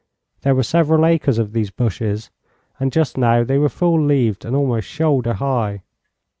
There were several acres of these bushes, and just now they were full leaved and almost shoulder high.